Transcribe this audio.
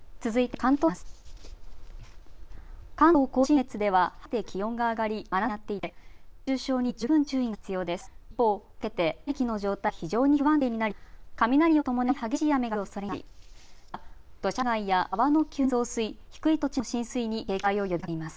関東甲信越では晴れて気温が上がり真夏日になっていて熱中症に十分注意が必要です。